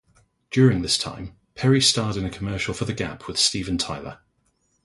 During this time, Perry starred in a commercial for The Gap with Steven Tyler.